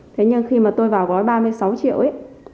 thế nhưng khi mà tôi vào gói ba mươi sáu triệu ấy